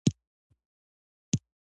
خوب د ماشوم روحیه لوړوي